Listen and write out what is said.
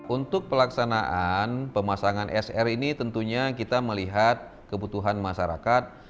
untuk pelaksanaan pemasangan sr ini tentunya kita melihat kebutuhan masyarakat